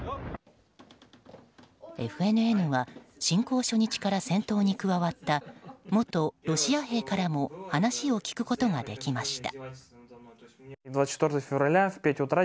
ＦＮＮは侵攻初日から戦闘に加わった元ロシア兵からも話を聞くことができました。